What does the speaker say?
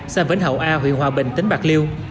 xa vến hậu a huyện hòa bình tỉnh bạc liêu